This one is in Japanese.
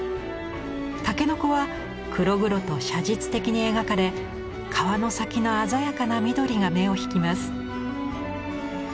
筍は黒々と写実的に描かれ皮の先の鮮やかな緑が目を引きます。